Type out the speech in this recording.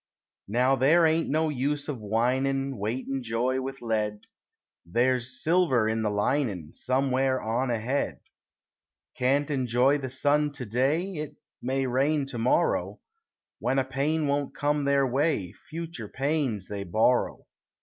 Now there ain't no use of whining Weightin' joy with lead; There is silver in the linin' Somewhere on ahead. Can't enjoy the sun to day It may rain to morrow; When a pain won't come their way, Future pains they borrow.